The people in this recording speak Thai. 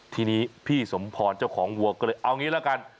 ทีนี้พี่สมพรเจ้าของวัวก็เลยเอางี้ละกัน